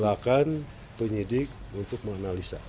silakan penyidik untuk menganalisa